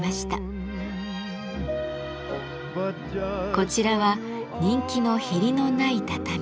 こちらは人気のへりのない畳。